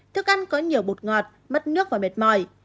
thức ăn có nhiều bột ngọt mất nước và mệt mỏi